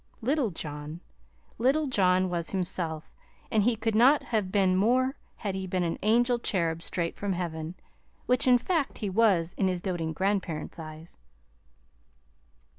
Little John little John was himself; and he could not have been more had he been an angel cherub straight from heaven which, in fact, he was, in his doting grandparents' eyes.